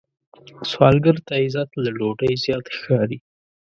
سوالګر ته عزت له ډوډۍ زیات ښکاري